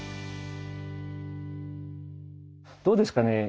どうですかね？